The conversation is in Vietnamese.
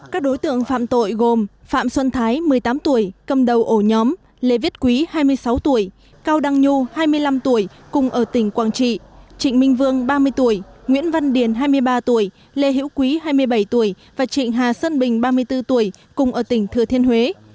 các đối tượng phạm tội gồm phạm xuân thái một mươi tám tuổi cầm đầu ổ nhóm lê viết quý hai mươi sáu tuổi cao đăng nhu hai mươi năm tuổi cùng ở tỉnh quảng trị trịnh minh vương ba mươi tuổi nguyễn văn điền hai mươi ba tuổi lê hữu quý hai mươi bảy tuổi và trịnh hà sơn bình ba mươi bốn tuổi cùng ở tỉnh thừa thiên huế